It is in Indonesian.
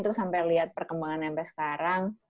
terus sampe liat perkembangannya sampe sekarang